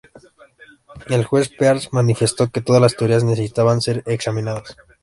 El juez Pearce manifestó que todas las teorías necesitaban ser examinadas.